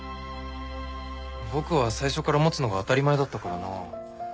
僕は最初から持つのが当たり前だったからなぁ。